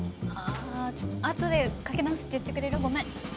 ああちょっとあとでかけ直すって言ってくれる？